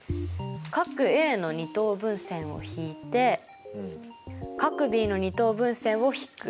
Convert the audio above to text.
Ａの二等分線を引いてＢの二等分線を引く。